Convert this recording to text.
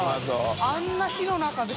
Αあんな火の中で。